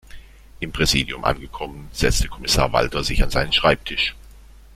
Im Präsidium angekommen, setzte Kommissar Walter sich an seinen Schreibtisch.